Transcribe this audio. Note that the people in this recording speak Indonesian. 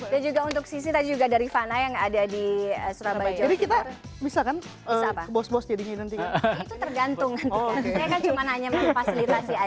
dan juga untuk sissy tadi juga dari fana yang ada di surabaya